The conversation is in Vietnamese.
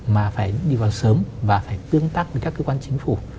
mà phải đi vào sớm và phải tương tác với các cơ quan chính phủ